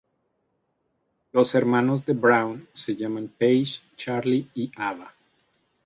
Los hermanos de Brown se llaman Paige, Charlie y Ava.